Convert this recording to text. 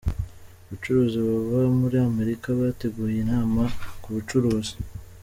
Abacuruzi baba muri Amerika bateguye inama ku bucuruzi